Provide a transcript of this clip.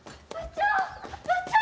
部長！